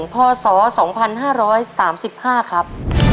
ที่สองพอสอสองพันห้าร้อยสามสิบห้าครับ